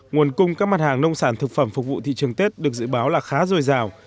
nguồn cung các mặt hàng nông sản thực phẩm phục vụ thị trường tết được dự báo là khá dồi dào